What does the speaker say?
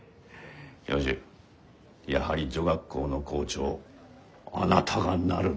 教授やはり女学校の校長あなたがなるべきだ！